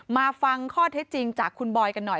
มาฟังข้อเท็จจริงจากคุณบอยกันหน่อย